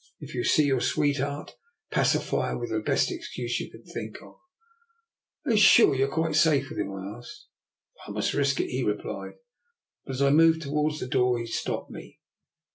If you see your sweet heart, pacify her with the best excuse you can think of." " Are you quite sure you are safe with him alone? '' I asked. " I must risk it/' he replied. But as I moved towards the door he stopped me.